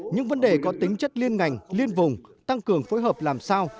những vấn đề có tính chất liên ngành liên vùng tăng cường phối hợp làm sao